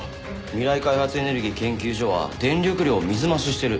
未来開発エネルギー研究所は電力量を水増ししてる。